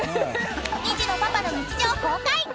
［２児のパパの日常公開！］